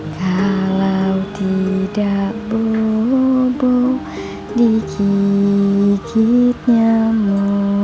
kalau tidak bobo dikikitnya mu